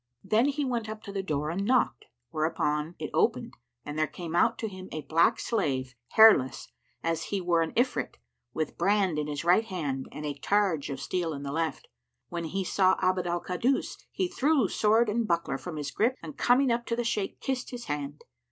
Then he went up to the door and knocked, whereupon it opened and there came out to him a black slave, hairless, as he were an Ifrit, with brand in right hand and targe of steel in left. When he saw Abd al Kaddus, he threw sword and buckler from his grip and coming up to the Shaykh kissed his hand.